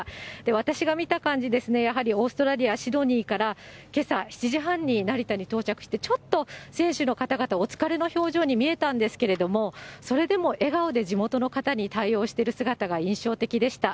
私が見た感じですね、やはりオーストラリア・シドニーからけさ７時半に成田に到着して、ちょっと選手の方々、お疲れの表情に見えたんですけれども、それでも笑顔で地元の方に対応してる姿が印象的でした。